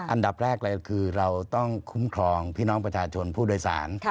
อันดับแรกเลยคือเราต้องคุ้มครองพี่น้องประชาชนผู้โดยสาร